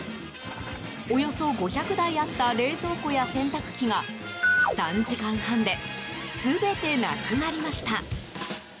およそ５００台あった冷蔵庫や洗濯機が３時間半で全てなくなりました。